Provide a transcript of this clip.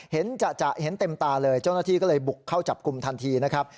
จะเห็นเต็มตาเลยเจ้าหน้าที่ก็เลยบุกเข้าจับกลุ่มทันทีนะครับ